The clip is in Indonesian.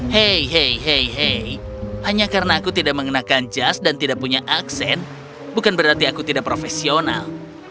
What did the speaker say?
hei hei hei hei hanya karena aku tidak mengenakan jas dan tidak punya aksen bukan berarti aku tidak profesional